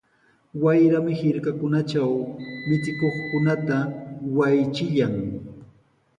Wayrami hirkakunatraw michikuqkunata waychillan.